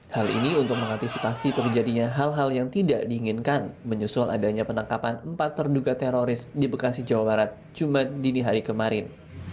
hal ini untuk mengantisipasi terjadinya hal hal yang tidak diinginkan menyusul adanya penangkapan empat terduga teroris di bekasi jawa barat jumat dini hari kemarin